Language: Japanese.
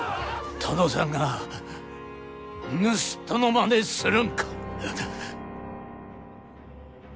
殿さんが盗人のまねするんか！